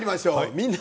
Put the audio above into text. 「みんな！